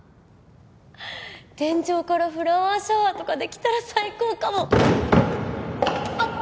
天井からフラワーシャワーとかできたら最高かもあっ！